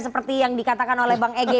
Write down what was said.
seperti yang dikatakan oleh bang egy